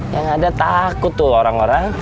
yang ada takut tuh orang orang